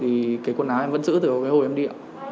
thì cái quần áo em vẫn giữ từ hồi em đi